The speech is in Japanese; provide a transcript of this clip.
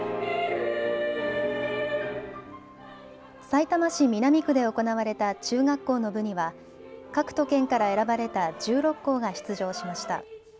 さいたま市南区で行われた中学校の部には各都県から選ばれた１６校が出場しました。